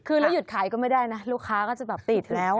คือแล้วหยุดขายก็ไม่ได้นะลูกค้าก็จะแบบติดแล้ว